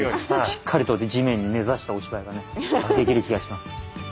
しっかりと地面に根ざしたお芝居がねできる気がします。